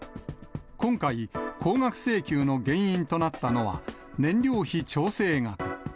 今回、高額請求の原因となったのは、燃料費調整額。